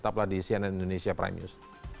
tetaplah di cnn indonesia prime news